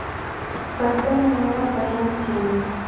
Кастен оҥара баян семым